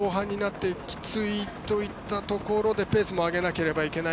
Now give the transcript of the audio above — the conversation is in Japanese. もう後半になってきついといったところでペースも上げなければいけない。